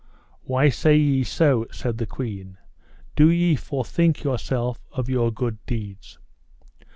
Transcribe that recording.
Why say ye so, said the queen, do ye forthink yourself of your good deeds?